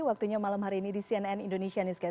waktunya malam hari ini di cnn indonesia newscast